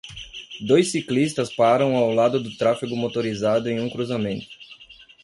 Dois ciclistas param ao lado do tráfego motorizado em um cruzamento.